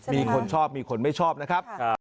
มีคนชอบมีคนไม่ชอบนะครับ